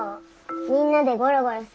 みんなでゴロゴロする。